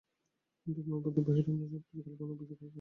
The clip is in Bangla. ইন্দ্রিয়ানুভূতির বাহিরে আমরা আর কিছু কল্পনা বা বিচার করিতে পারি না।